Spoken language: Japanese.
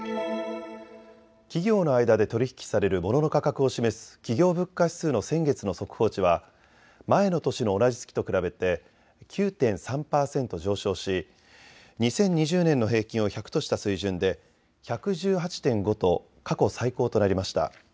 企業の間で取り引きされるモノの価格を示す企業物価指数の先月の速報値は前の年の同じ月と比べて９．３％上昇し２０２０年の平均を１００とした水準で１１８．５と過去最高となりました。